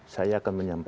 saya akan menyampaikan